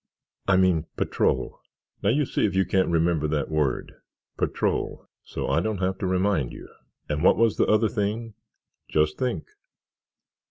"I mean, patrol." "Now you see if you can't remember that word patrol so I don't have to remind you. And what was the other thing—just think."